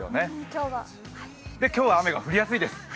今日は雨が降りやすいです。